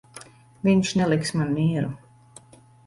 Viņš neliks man mieru.